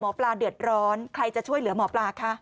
ปลาเดือดร้อนใครจะช่วยเหลือหมอปลาคะ